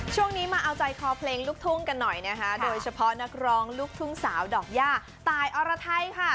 ช่วงนี้มาเอาใจคอเพลงลูกทุ่งกันหน่อยนะคะโดยเฉพาะนักร้องลูกทุ่งสาวดอกย่าตายอรไทยค่ะ